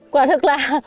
quả thực là